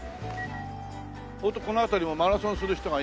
するとこの辺りもマラソンする人が意外と？